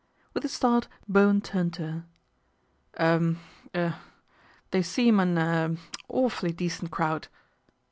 With a start Bowen turned to her. " Er er they seem an er awfully decent crowd."